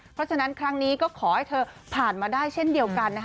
เพราะฉะนั้นครั้งนี้ก็ขอให้เธอผ่านมาได้เช่นเดียวกันนะคะ